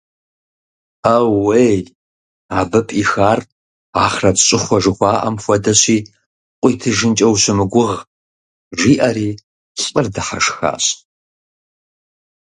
Аууей, абы пӀихар ахърэт щӀыхуэ жыхуаӀэм хуэдэщи, къыуитыжынкӀэ ущымыгугъ, – жиӀэри лӀыр дыхьэшхащ.